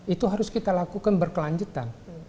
itu harus kita lakukan berkelanjutan